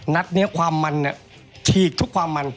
นัดนี้ความมันเนี่ยฉีกทุกความมัน